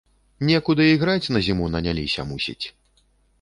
Некуды іграць на зіму наняліся, мусіць.